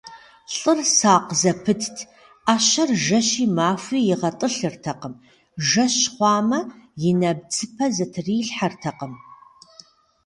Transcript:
Лӏыр сакъ зэпытт: ӏэщэр жэщи махуи игъэтӏылъыртэкъым, жэщыр хъуамэ, и нэбдзыпэ зэтрилъхьэртэкъым.